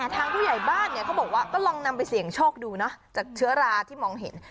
ทางผู้ใหญ่บ้านเขาบอกว่าก็ลองนำไปเสี่ยงโชคดูจากเชื้อราที่มองเห็น